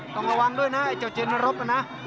ต้องระวังด้วยนะต้องเจนรบนะ